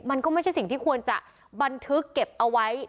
มันก็ไม่ใช่สิ่งที่ควรจะบันทึกเก็บเอาไว้